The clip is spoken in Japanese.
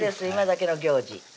今だけの行事